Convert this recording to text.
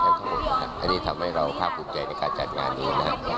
อันนี้ทำให้เราพร่อมอย่างในการจัดงานนี้